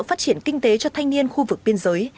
phát triển kinh tế cho thanh niên khu vực biên giới